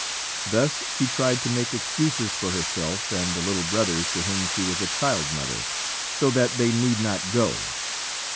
Thus she tried to make excuses for herself and the little brothers to whom she was a child mother, so that they need not go.